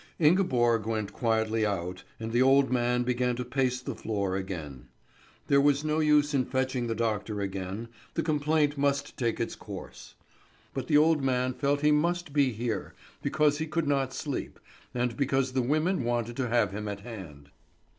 Ingeborg went quietly out, and the old man began to pace the floor again. There was no use in fetching the doctor again; the complaint must take its course. But the old man felt he must be here because he could not sleep, and because the women wanted to have him at hand.